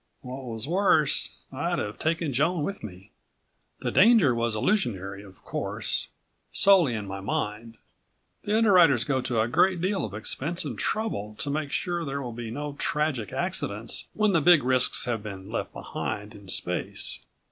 What was worse, I'd have taken Joan with me. The danger was illusionary, of course ... solely in my mind. The underwriters go to a great deal of expense and trouble to make sure there will be no tragic accidents when the big risks have been left behind in space.